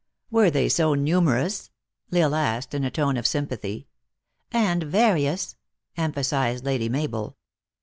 " Were they so numerous ?" L Isle asked, in a tone of sympathy. " And various !" emphasized Lady Mabel.